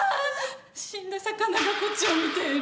死んだ魚がこっちを見ている。